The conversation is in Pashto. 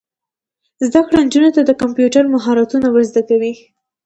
زده کړه نجونو ته د کمپیوټر مهارتونه ور زده کوي.